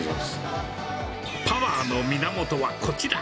パワーの源はこちら。